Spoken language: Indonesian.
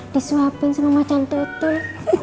di suapin sama macan tutur